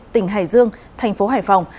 tỉnh hải dương thành phố hải phòng